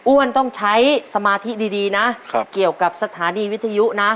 ต้องใช้สมาธิดีนะเกี่ยวกับสถานีวิทยุนะ